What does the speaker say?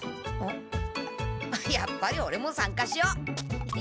やっぱりオレもさんかしよう！